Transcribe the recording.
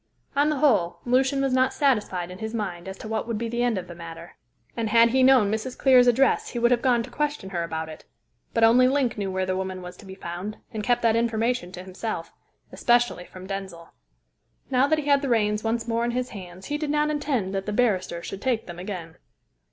On the whole, Lucian was not satisfied in his mind as to what would be the end of the matter, and had he known Mrs. Clear's address he would have gone to question her about it. But only Link knew where the woman was to be found, and kept that information to himself especially from Denzil. Now that he had the reins once more in his hands, he did not intend that the barrister should take them again.